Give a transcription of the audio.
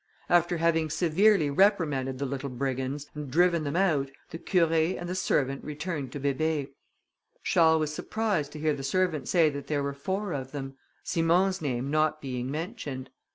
After having severely reprimanded the little brigands, and driven them out, the Curé and the servant returned to Bébé. Charles was surprised to hear the servant say that there were four of them, Simon's name not being mentioned.